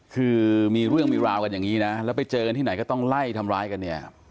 คือมีเรื่องมีราวกันอย่างนี้นะแล้วไปเจอกันที่ไหนก็ต้องไล่ทำร้ายกันเนี่ย